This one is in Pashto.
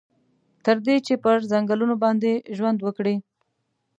تر دې چې پر ځنګنونو باندې ژوند وکړي.